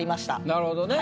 なるほどね。